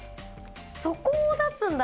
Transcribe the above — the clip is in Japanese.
そこを出すんだ！